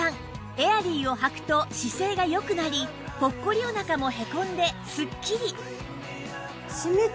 エアリーをはくと姿勢が良くなりポッコリお腹もへこんですっきり